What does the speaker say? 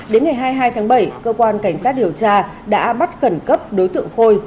đến ngày hai mươi hai tháng bảy cơ quan cảnh sát điều tra đã bắt khẩn cấp đối tượng khôi